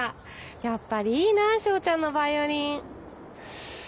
やっぱりいいなぁ彰ちゃんのヴァイオリン。